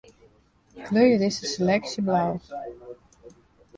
Kleurje dizze seleksje blau.